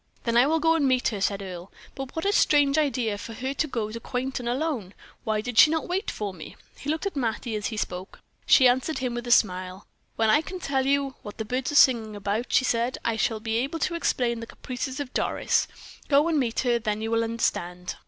"Then I will go and meet her," said Earle. "But what a strange idea of her to go to Quainton alone. Why did she not wait for me?" He looked at Mattie as he spoke. She answered him with a smile. "When I can tell you what the birds are singing about," she said, "I shall be able to explain the caprices of Doris. Go and meet her; then you will understand."